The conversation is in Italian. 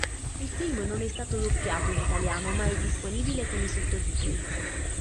Il film non è stato doppiato in italiano ma è disponibile con i sottotitoli.